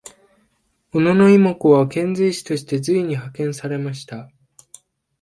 小野妹子は遣隋使として隋に派遣されました。